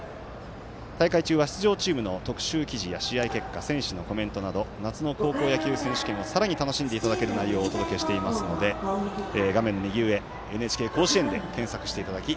大会中は出場チームの特集記事や試合結果、選手のコメントなど夏の高校野球選手権を、さらに楽しんでいただける内容をお届けしていますので画面の右上ＮＨＫ甲子園で検索していただき